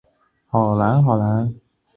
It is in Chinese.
会议经审议